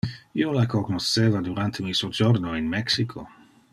Io la cognosceva durante mi sojorno in Mexico.